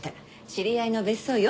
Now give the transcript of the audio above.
知り合いの別荘よ。